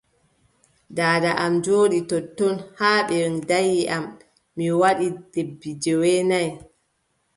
Daada am jooɗi ton ton haa ɓe danyi am mi waɗi lebbi joweenay guda.